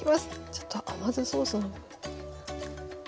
ちょっと甘酢ソースも。